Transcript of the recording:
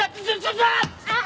あっ！